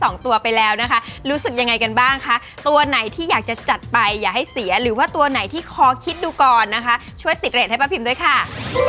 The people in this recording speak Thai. สองตัวไปแล้วนะคะรู้สึกยังไงกันบ้างคะตัวไหนที่อยากจะจัดไปอย่าให้เสียหรือว่าตัวไหนที่คอคิดดูก่อนนะคะช่วยติดเรทให้ป้าพิมด้วยค่ะ